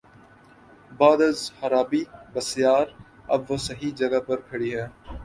بعد از خرابیٔ بسیار، اب وہ صحیح جگہ پہ کھڑی ہے۔